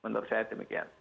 menurut saya demikian